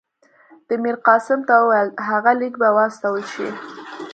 ده میرقاسم ته وویل هغه لیک به واستول شي.